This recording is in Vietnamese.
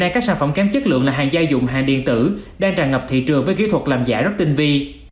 các sản phẩm kém chất lượng là hàng gia dụng hàng điện tử đang tràn ngập thị trường với kỹ thuật làm giả rất tinh vi